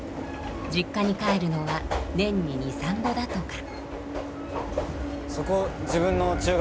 実家に帰るのは年に２３度だとか。